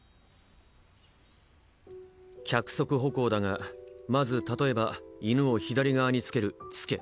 脚側歩行だがまず例えば犬を左側につける「つけ」。